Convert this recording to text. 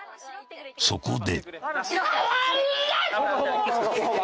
［そこで］